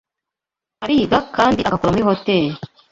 Ariga kandi agakora muri hoteri